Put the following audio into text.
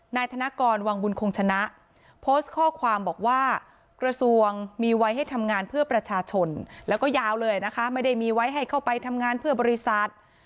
นายธนกรวังบุญคงชนะโพสต์ข้อความบอกว่ากระทรวงมีไว้ให้ทำงานเพื่อประชาชนแล้วก็ยาวเลยนะคะไม่ได้มีไว้ให้เข้าไปทำงานเพื่อบริษัท